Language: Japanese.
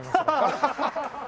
ハハハッ！